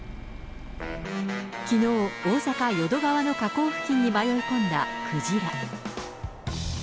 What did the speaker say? きのう、大阪・淀川の河口付近に迷い込んだクジラ。